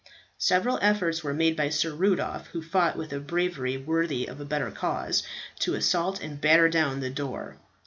Several efforts were made by Sir Rudolph, who fought with a bravery worthy of a better cause, to assault and batter down the door.